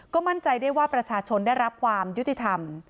มั่นใจได้ว่าประชาชนได้รับความยุติธรรม